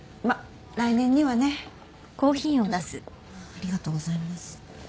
ありがとうございます。